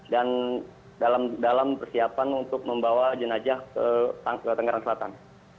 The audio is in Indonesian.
dan dalam persiapan untuk membawa jenazah ke tangerang selatan